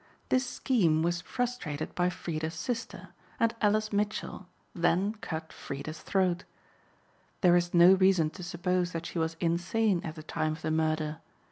This scheme was frustrated by Freda's sister, and Alice Mitchell then cut Freda's throat. There is no reason to suppose that she was insane at the time of the murder.